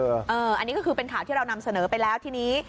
อันนี้ก็คือเป็นข่าวที่เรานำเสนอไปแล้วทีนี้